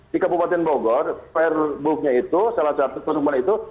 di kabupaten bogor per booknya itu salah satu per booknya itu